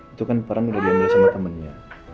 itu kan peran udah diambil sama temannya